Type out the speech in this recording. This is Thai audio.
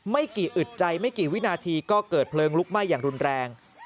ไม่กี่อึดใจไม่กี่วินาทีก็เกิดเพลิงลุกไหม้อย่างรุนแรง